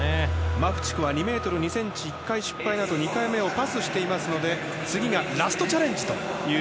マフチフは２ｍ１ｃｍ１回失敗のあと２回目をパスしていますので次がラストチャレンジです。